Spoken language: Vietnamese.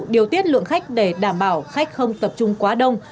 điều tiết lượng khách để đảm bảo khách không tập trung quá đông